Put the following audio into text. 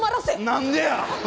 何でや！